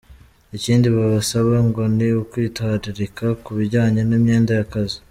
Ikindi babasaba ngo ni ukwitwararika ku bijyanye n’imyenda y’akazi.